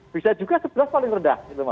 bisa juga sebelas paling rendah